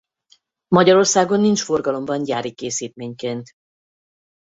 Magyarországon nincs forgalomban gyári készítményként.